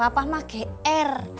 bapak mah gr